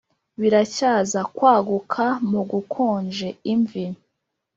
biracyaza kwaguka mugukonje, imvi